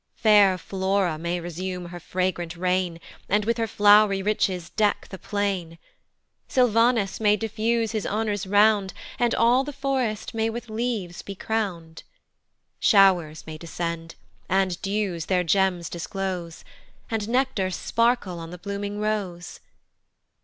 Fair Flora may resume her fragrant reign, And with her flow'ry riches deck the plain; Sylvanus may diffuse his honours round, And all the forest may with leaves be crown'd: Show'rs may descend, and dews their gems disclose, And nectar sparkle on the blooming rose.